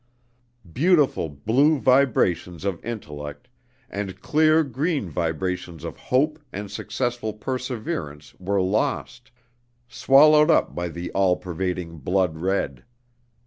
Beautiful blue vibrations of intellect, and clear green vibrations of hope and successful perseverance were lost, swallowed up by the all pervading blood red.